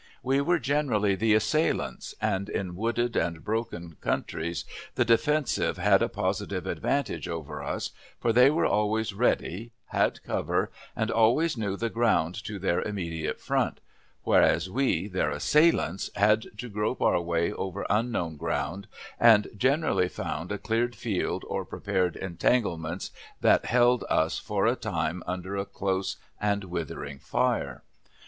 We were generally the assailants, and in wooded and broken countries the "defensive" had a positive advantage over us, for they were always ready, had cover, and always knew the ground to their immediate front; whereas we, their assailants, had to grope our way over unknown ground, and generally found a cleared field or prepared entanglements that held us for a time under a close and withering fire.